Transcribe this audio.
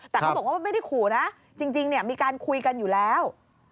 แต่เขาบอกว่าไม่ได้ขู่นะจริงมีการคุยกันอยู่แล้ว